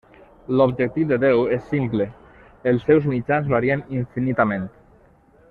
L'objectiu de Déu és simple, els seus mitjans varien infinitament.